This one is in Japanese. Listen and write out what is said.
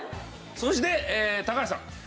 そして高橋さん。